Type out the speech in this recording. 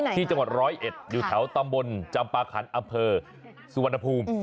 ที่จังหวัด๑๐๑อยู่แถวตำบลจัมปะขันอเภอสุวรรณภูมิ